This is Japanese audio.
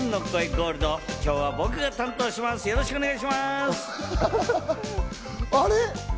ゴールド、今日は僕が担当します、よろしくお願いします！